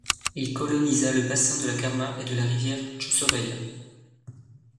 Il colonisa le bassin de la Kama et de la rivière Tchoussovaïa.